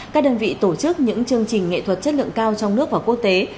các đơn vị tổ chức những chương trình nghệ thuật chất lượng cao trong nước và quốc tế